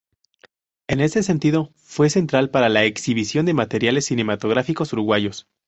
En este sentido, fue central para la exhibición de materiales cinematográficos uruguayos.